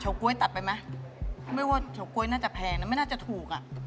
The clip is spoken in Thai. ก๊วยตัดไปไหมไม่ว่าเฉาก๊วยน่าจะแพงนะไม่น่าจะถูกอ่ะ